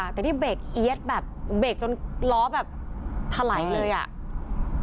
แต่นี่เบรกเอี๊ยดแบบเบรกจนล้อแบบถลายเลยอ่ะ